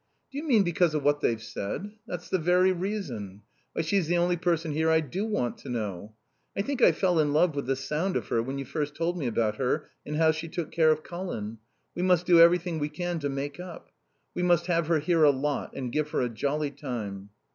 "Do you mean because of what they've said? That's the very reason. Why, she's the only person here I do want to know. I think I fell in love with the sound of her when you first told me about her and how she took care of Colin. We must do everything we can to make up. We must have her here a lot and give her a jolly time."